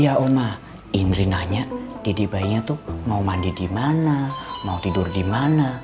iya oma indri nanya didik bayinya tuh mau mandi dimana mau tidur dimana